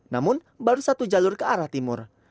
namun baru satu jalur ke arah timur